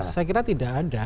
saya kira tidak ada